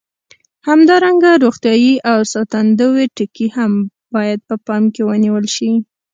همدارنګه روغتیایي او ساتندوي ټکي هم باید په پام کې ونیول شي.